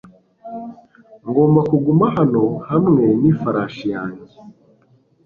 Ngomba kuguma hano hamwe n'ifarashi yanjye